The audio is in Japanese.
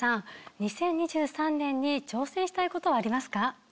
２０２３年に挑戦したいことはありますか？